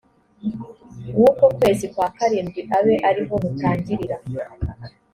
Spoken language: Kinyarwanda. w uko kwezi kwa karindwi abe ari ho mutangirira